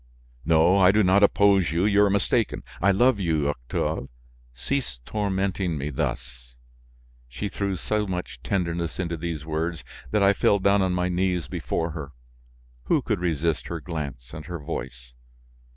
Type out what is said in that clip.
"No, I do not oppose you, you are mistaken; I love you, Octave; cease tormenting me thus." She threw so much tenderness into these words that I fell down on my knees before her. Who could resist her glance and her voice?